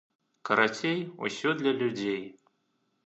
Карацей, усё для людзей.